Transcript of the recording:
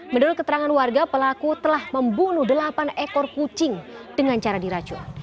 menurut keterangan warga pelaku telah membunuh delapan ekor kucing dengan cara diracun